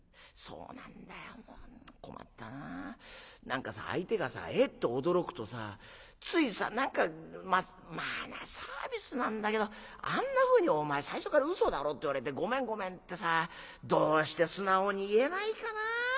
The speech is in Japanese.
何かさ相手がさえっと驚くとさついさ何かまあサービスなんだけどあんなふうにお前最初から『嘘だろ』って言われて『ごめんごめん』ってさどうして素直に言えないかな。